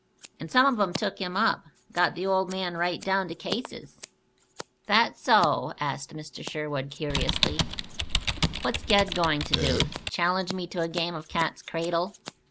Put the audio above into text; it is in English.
"And some of 'em took him up, got the old man right down to cases." "That so?" asked Mr. Sherwood curiously. "What's Ged going to do? Challenge me to a game of cat's cradle?